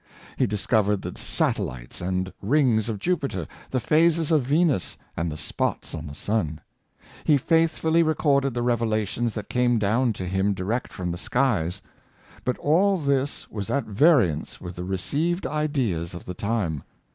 He discovered the satellites and rings of Jupiter, the phases of Venus, and the spots on the sun. He faithfully recorded the revelations that came down to him direct from the skies. But all this was at variance with the received ideas of the time.